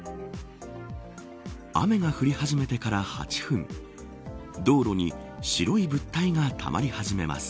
雨が降り始めてから８分道路に白い物体がたまり始めます。